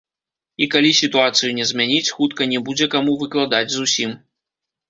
І калі сітуацыю не змяніць, хутка не будзе каму выкладаць зусім.